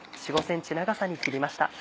４５ｃｍ長さに切りました。